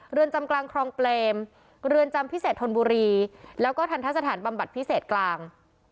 เรือนจำกลางคลองเปรมเรือนจำพิเศษธนบุรีแล้วก็ทันทะสถานบำบัดพิเศษกลาง